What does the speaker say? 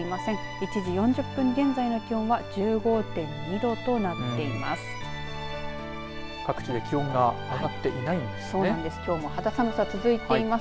１時４０分現在の気温は１５．２度となっています。